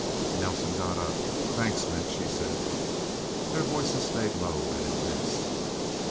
Nelsen got up. "Thanks, Mitch," he said. Their voices stayed low and intense.